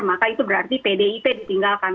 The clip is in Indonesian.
maka itu berarti pdip ditinggalkan